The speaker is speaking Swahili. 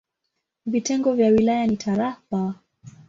Vitengo vya wilaya ni tarafa.